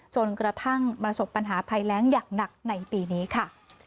จนกระทั่งประสบปัญหาภัยแรงอย่างหนักในปีนี้ค่ะ